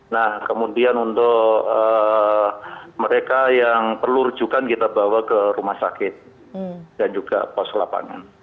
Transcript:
nah kemudian untuk mereka yang perlu rujukan kita bawa ke rumah sakit dan juga pos lapangan